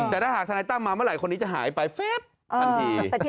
แต่ถ้าหากธนายตั้มมาเมื่อไหร่คนนี้จะหายไปทันที